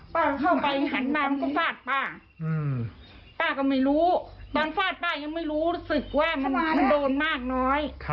เข้าไปหันมามันก็ฟาดป้าป้าก็ไม่รู้ตอนฟาดป้ายังไม่รู้สึกว่ามันโดนมากน้อย